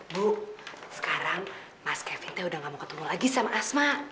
bu sekarang mas kevinnya udah gak mau ketemu lagi sama asma